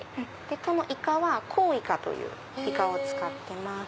でこのイカはコウイカというイカを使ってます。